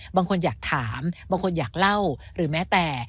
บางคนอยากถามบางคนอยากเล่าหรือแม้แต่